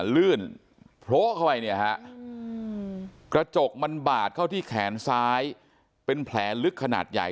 ลื่นโพะเข้าไปเนี่ยฮะกระจกมันบาดเข้าที่แขนซ้ายเป็นแผลลึกขนาดใหญ่